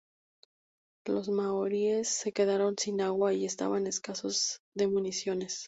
Los maoríes se quedaron sin agua y estaban escasos de municiones.